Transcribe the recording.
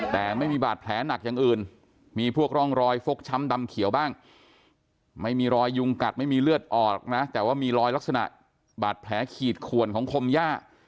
แต่ไม่มีบาดแผลหนักอย่างอื่นมีพวกร่องรอยฟกช้ำดำเขียวบ้างไม่มีรอยยุงกัดไม่มีเลือดออกนะแต่ว่ามีรอยลักษณะบาดแผลขีดขวนของคมย่า